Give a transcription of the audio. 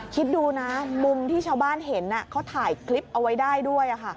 คิดดูนะมุมที่ชาวบ้านเห็นเขาถ่ายคลิปเอาไว้ได้ด้วย